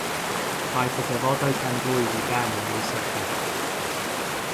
Daeth y defodau pen-blwydd i ben ym mis Hydref.